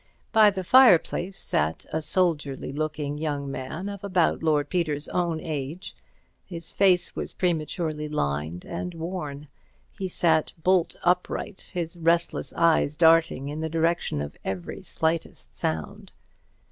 By the fireplace sat a soldierly looking young man, of about Lord Peter's own age. His face was prematurely lined and worn; he sat bolt upright, his restless eyes darting in the direction of every slightest sound.